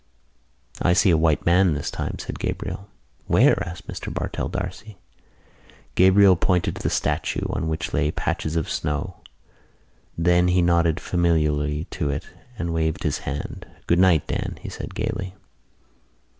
"I see a white man this time," said Gabriel. "Where?" asked Mr Bartell D'Arcy. Gabriel pointed to the statue, on which lay patches of snow. Then he nodded familiarly to it and waved his hand. "Good night, Dan," he said gaily.